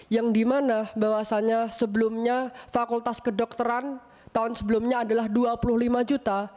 yang dimana bahwasannya sebelumnya fakultas kedokteran tahun sebelumnya adalah dua puluh lima juta